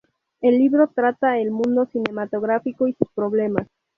El libro trata el mundo cinematográfico y sus problemas.